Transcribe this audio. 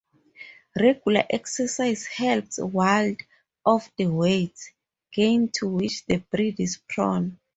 Regular exercise helps ward off the weight gain to which the breed is prone.